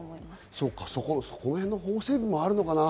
そこらへんの法整備もあるのかな。